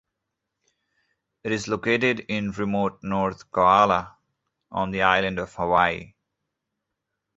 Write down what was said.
It is located in remote North Kohala on the Island of Hawaii.